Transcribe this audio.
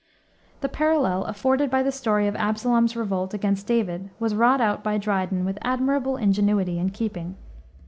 The parallel afforded by the story of Absalom's revolt against David was wrought out by Dryden with admirable ingenuity and keeping.